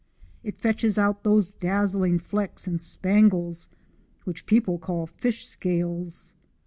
It fetches out those dazzling flecks and spangles which people call fish scales.